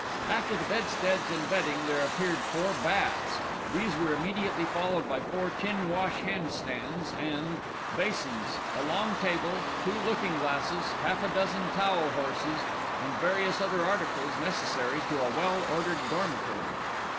After the bedsteads and bedding, there appeared four baths; these were immediately followed by four tin wash handstands and basins, a long table, two looking glasses, half a dozen towel horses, and various other articles necessary to a well ordered dormitory.